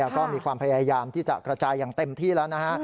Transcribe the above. ก็มีความพยายามที่จะกระจายอย่างเต็มที่แล้วนะฮะ